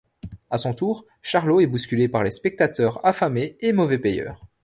À son tour, Charlot est bousculé par les spectateurs affamés et mauvais payeurs.